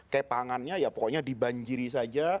kayak pangannya ya pokoknya dibanjiri saja